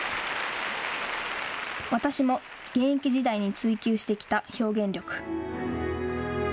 私も現役時代に追求してきた表現力。